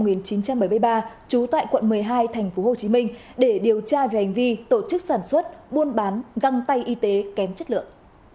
từ năm một nghìn chín trăm bảy mươi ba trú tại quận một mươi hai tp hcm để điều tra về hành vi tổ chức sản xuất buôn bán găng tay y tế kém chất lượng